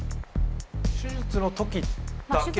手術の時だけ？